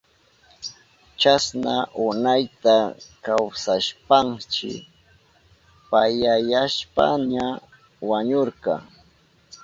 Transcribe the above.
Chasna unayta kawsashpanshi payayashpaña wañurka.